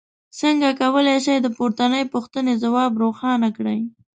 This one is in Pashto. څنګه کولی شئ د پورتنۍ پوښتنې ځواب روښانه کړئ.